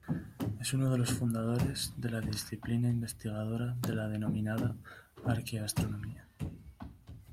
Es uno de los fundadores de la disciplina investigadora de la denominada arqueoastronomía.